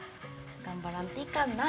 頑張らんといかんな。